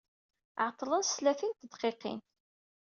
Ɛeḍḍlen s tlatin n tedqiqin.